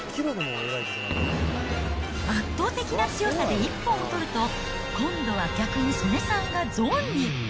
圧倒的な強さで一本を取ると、今度は逆に素根さんがゾーンに。